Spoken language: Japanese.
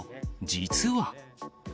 実は。